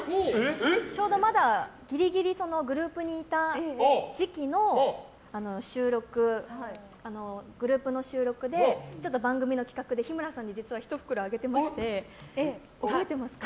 ちょうどまだギリギリグループにいた時期のグループの収録の番組の企画で日村さんに１袋あげてまして。